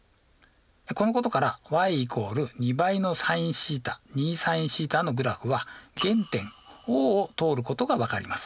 このことからｙ＝２倍のｓｉｎθ２ｓｉｎθのグラフは原点Ｏを通ることが分かります。